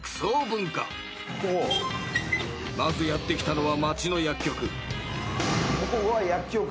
［まずやって来たのは町の薬局］